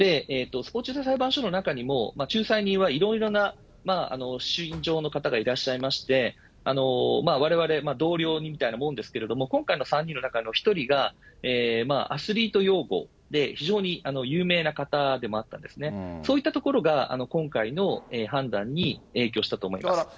スポーツ仲裁裁判所の中にも、仲裁人はいろいろなしんじょうの方がいらっしゃいまして、われわれ、同僚みたいなもんですけれども、今回の３人の中の１人が、アスリート擁護、非常に有名な方でもあったんですね。そういったところが今回の判断に影響したと思います。